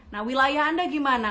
nah wilayah anda gimana